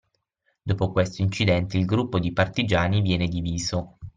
Dopo questo incidente il gruppo di partigiani viene diviso